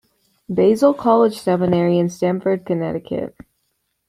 Basil College Seminary in Stamford, Connecticut.